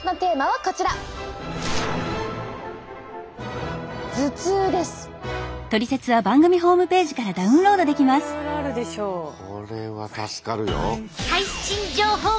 これは助かるよ。